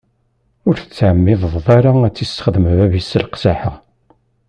Ur tettɛemmideḍ ara ad t-issexdem bab-is s leqsaḥa.